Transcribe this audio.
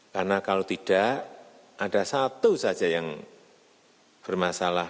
karena kalau tidak ada satu saja yang bermasalah